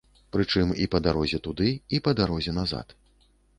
Прычым і па дарозе туды, і па дарозе назад.